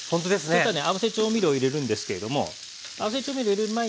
そしたらね合わせ調味料入れるんですけれども合わせ調味料入れる前にはね